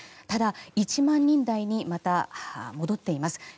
ただ、１万人台にまた戻っています。